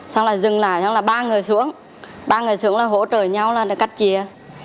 xong là dừng lại xong là ba người xuống ba người xuống là hỗ trợ nhau là cắt chìa